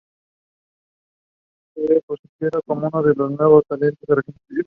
Se posiciona como uno de los nuevos talentos argentinos.